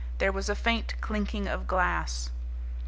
There was a faint clinking of glass.